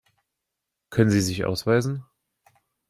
Können Sie sich ausweisen?